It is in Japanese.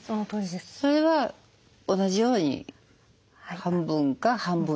それは同じように半分か半分以下とか？